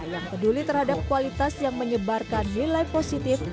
yang peduli terhadap kualitas yang menyebarkan nilai positif